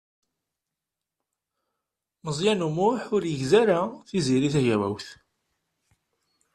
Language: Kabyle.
Meẓyan U Muḥ ur yegzi ara Tiziri Tagawawt.